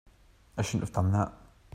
I shouldn't have done that.